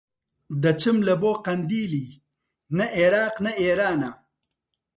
دەچم لە بۆ قەندیلی نە ئێراق نە ئێرانە